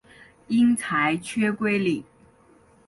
因裁缺归里。